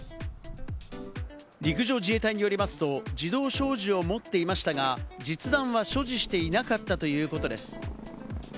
陸上自衛隊によりますと、自動小銃を持っていましたが、実弾は所持していなかったということです。